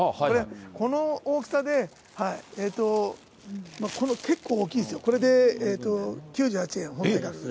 この大きさで、結構大きいんですよ、これで９８円、本体価格で。